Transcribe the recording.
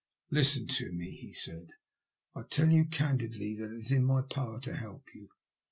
''Listen to me," he said. "I tell you candidly that it is in my power to help you.